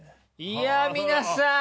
いや皆さん。